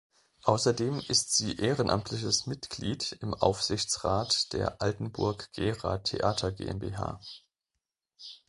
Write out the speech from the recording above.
Außerdem ist sie ehrenamtliches Mitglied im Aufsichtsrat der Altenburg-Gera Theater GmbH.